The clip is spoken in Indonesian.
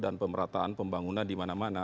dan pemerataan pembangunan dimana mana